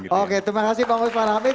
oke terima kasih bang ustaz farhamid